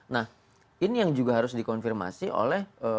nah ini yang juga harus dikonfirmasi oleh